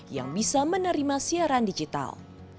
yang bisa menerima siaran digital